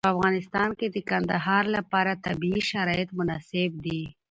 په افغانستان کې د کندهار لپاره طبیعي شرایط مناسب دي.